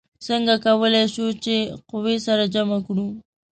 څنګه کولی شو چې قوې سره جمع کړو؟